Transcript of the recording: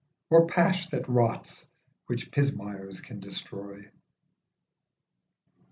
Or pash that rots, which pismires! can destroy